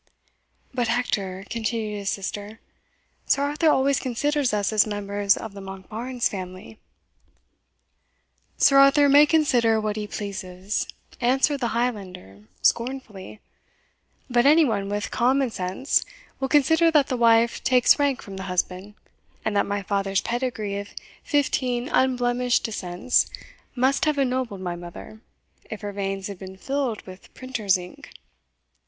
"But, Hector," continued his sister, "Sir Arthur always considers us as members of the Monkbarns family." "Sir Arthur may consider what he pleases," answered the Highlander scornfully; "but any one with common sense will consider that the wife takes rank from the husband, and that my father's pedigree of fifteen unblemished descents must have ennobled my mother, if her veins had been filled with printer's ink."